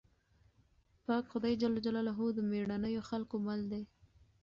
پاک خدای د مېړنيو خلکو مل دی.